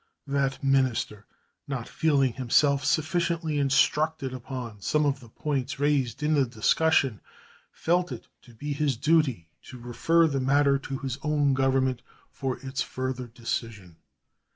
That minister, not feeling himself sufficiently instructed upon some of the points raised in the discussion, felt it to be his duty to refer the matter to his own Government for its further decision.